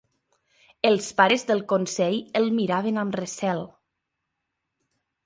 Els Pares del Consell el miraven amb recel.